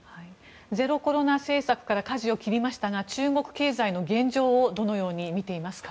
ゼロコロナ政策からかじを切りましたが中国経済の現状をどのように見ていますか？